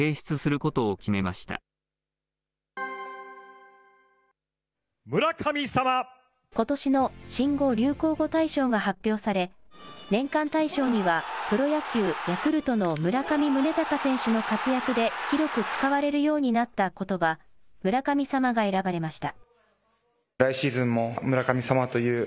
ことしの新語・流行語大賞が発表され、年間大賞にはプロ野球・ヤクルトの村上宗隆選手の活躍で広く使われるようになったことば、村神様が選ばれました。